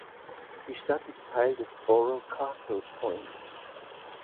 Die Stadt ist Teil des Borough Castle Point.